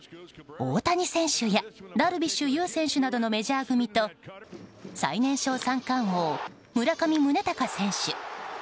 大谷選手やダルビッシュ有選手などのメジャー組と最年少三冠王、村上宗隆選手。